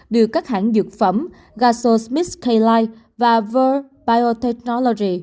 được các hãng dược phẩm gasol smith k lite và verve biotechnology